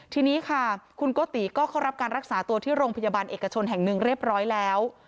ทีนี้ค่ะคุณโกติก็เข้ารับการรักษาตัวที่โรงพยาบาลเอกชนแห่งหนึ่งเรียบร้อยแล้ว